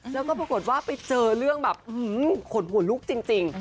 แล้วก็ปรากฏว่าไปเจอเรื่องแบบขนหัวลุกจริง